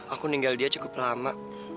aku ninggal dia cukup lama